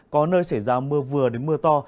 có nơi xảy ra mưa vừa đến mưa to